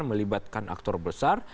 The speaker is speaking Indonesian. melibatkan aktor besar